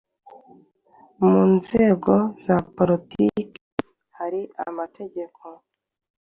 mu nzego za politiki; hari amategeko